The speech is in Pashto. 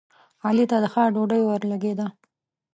علي ته د ښار ډوډۍ ورلګېده.